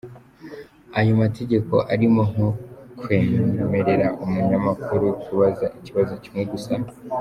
Ayo mategeko arimo nko kwemerera umunyamakuru kubaza ikibazo kimwe gusa.